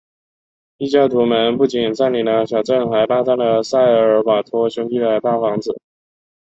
异教徒们不仅占领了小镇还霸占了塞尔瓦托兄弟的大房子。